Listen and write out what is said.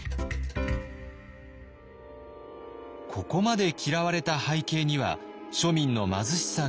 ここまで嫌われた背景には庶民の貧しさがありました。